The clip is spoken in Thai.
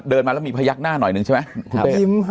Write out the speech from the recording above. เดินมาแล้วมีพยักหน้าหน่อยหนึ่งใช่ไหม